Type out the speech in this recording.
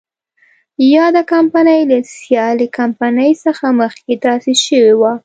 یاده کمپنۍ له سیالې کمپنۍ څخه مخکې تاسیس شوې وه.